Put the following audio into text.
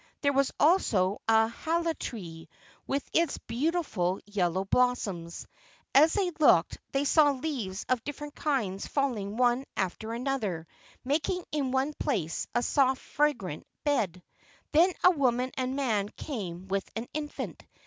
There was also a *hala tree with its beautiful yellow blossoms. As they looked they saw leaves of different kinds falling one after another, making in one place a soft fragrant bed. Then a woman and a man came with an infant.